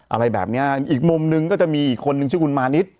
อะไรแบบเนี้ยอีกมุมนึงก็จะมีอีกคนนึงชื่อคุณมานิด